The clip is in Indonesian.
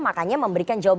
makanya memberikan jawaban itu